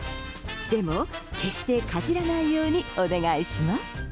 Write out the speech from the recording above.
でも、決してかじらないようにお願いします！